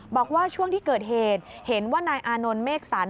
บอกว่าช่วงที่เกิดเหตุเห็นว่านายอานนท์เมฆสัน